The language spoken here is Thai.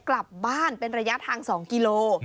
กลับบ้านเป็นระยะทาง๒กิโล